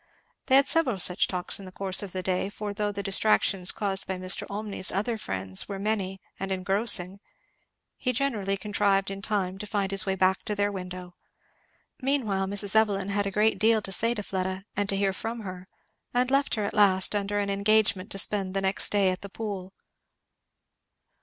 They had several such talks in the course of the day; for though the distractions caused by Mr. Olmney's other friends were many and engrossing, he generally contrived in time to find his way back to their window. Meanwhile Mrs. Evelyn had a great deal to say to Fleda and to hear from her; and left her at last under an engagement to spend the next day at the Pool.